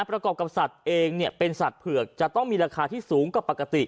ประกอบกับสัตว์เองเป็นสัตว์เผือกจะต้องมีราคาที่สูงกว่าปกติ